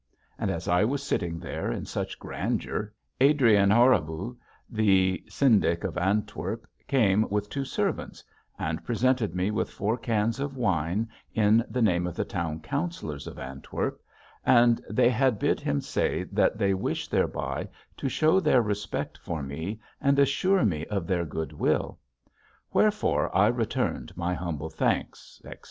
And as I was sitting there in such grandeur, Adrian Horebouts, the syndic of Antwerp, came with two servants and presented me with four cans of wine in the name of the Town Councillors of Antwerp, and they had bid him say that they wish thereby to show their respect for me and assure me of their good will. Wherefore I returned my humble thanks etc.